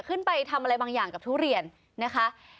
ขึ้นไปทำอะไรบางอย่างกับทุเรียนนะคะ